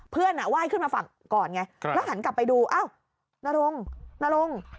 ไหว้ขึ้นมาฝั่งก่อนไงแล้วหันกลับไปดูอ้าวนรงนรง